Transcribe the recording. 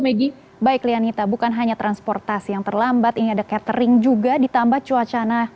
maggie baik lianita bukan hanya transportasi yang terlambat ini ada catering juga ditambah cuacana